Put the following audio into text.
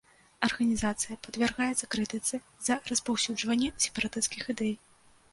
Арганізацыя падвяргаецца крытыцы з-за распаўсюджвання сепаратысцкіх ідэй.